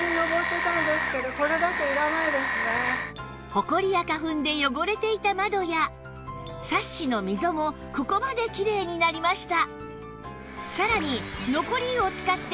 ホコリや花粉で汚れていた窓やサッシの溝もここまできれいになりました